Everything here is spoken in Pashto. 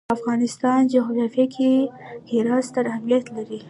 د افغانستان جغرافیه کې هرات ستر اهمیت لري.